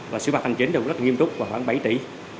và sửa bạc hành chính rất nghiêm túc khoảng bảy tỷ